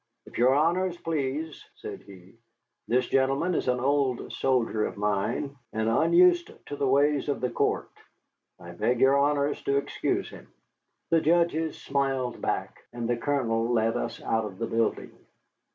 "If your Honors please," said he, "this gentleman is an old soldier of mine, and unused to the ways of court. I beg your Honors to excuse him." The judges smiled back, and the Colonel led us out of the building.